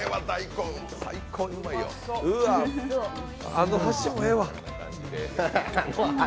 あの箸もええわ。